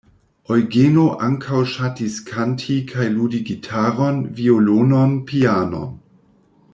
Eŭgeno ankaŭ ŝatis kanti kaj ludi gitaron, violonon, pianon.